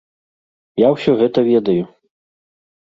Я ўсё гэта ведаю.